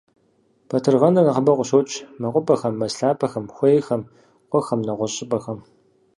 Батыргъэныр нэхъыбэу къыщокӏ мэкъупӏэхэм, мэз лъапэхэм, хуейхэм, къуэхэм, нэгъуэщӏ щӏыпӏэхэм.